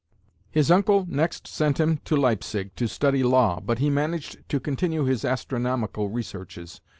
His uncle next sent him to Leipzig to study law, but he managed to continue his astronomical researches.